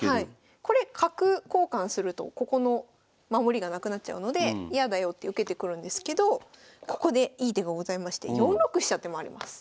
これ角交換するとここの守りがなくなっちゃうのでやだよって受けてくるんですけどここでいい手がございまして４六飛車って回ります。